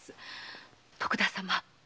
徳田様。